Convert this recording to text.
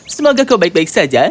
semoga kau baik baik saja